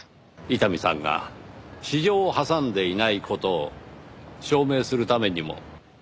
伊丹さんが私情を挟んでいない事を証明するためにも。